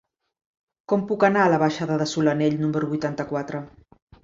Com puc anar a la baixada de Solanell número vuitanta-quatre?